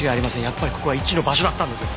やっぱりここは１の場所だったんです。